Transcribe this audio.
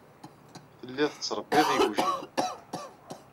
Telliḍ tettṛebbiḍ igujilen.